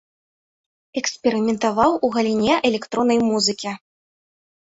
Эксперыментаваў у галіне электроннай музыкі.